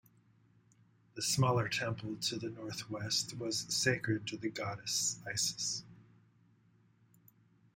The smaller temple to the northwest was sacred to the goddess Isis.